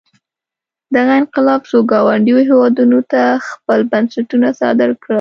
دغه انقلاب څو ګاونډیو هېوادونو ته خپل بنسټونه صادر کړل.